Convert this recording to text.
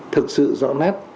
thực sự rõ nét